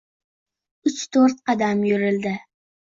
Uch-to`rt qadam yurildi